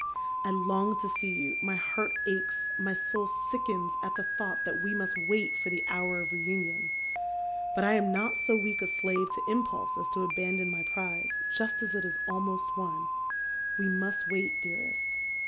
" I long to see you, my heart aches, my soul sickens at the thought that we must wait for the hour of reunion. But I am not so weak a slave to impulse as to abandon my prize, just as it is almost won. We must wait, dearest.